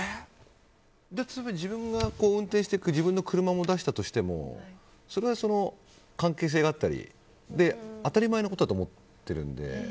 自分が運転して自分で車を出したとしてもそれは関係性だったり当たり前のことだと思ってるので。